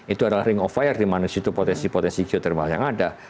itu adalah ring of fire di mana situ potensi potensi geotermal yang ada